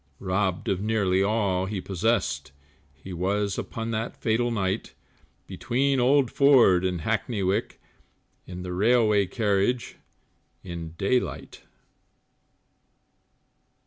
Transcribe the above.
Robbed of nearly all that he possessed, He was, upon that fatal night, Between Old Ford and Hackney Wick, In the Railway Carriage in daylight.